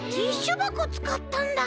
ばこつかったんだ！